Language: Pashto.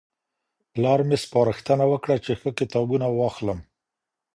پلار مي سپارښتنه وکړه چي ښه کتابونه واخلم.